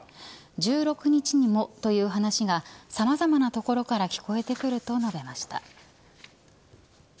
１６日にもという話がさまざまなところから聞こえてくると述べました。